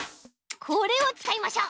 これをつかいましょう。